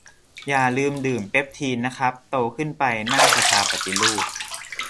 อย่าลืมดื่มเปปทีนนะครับ โตขึ้นไปนั่งสภาปฏิรูป